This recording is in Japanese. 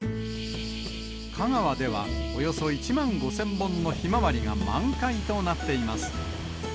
香川では、およそ１万５０００本のヒマワリが満開となっています。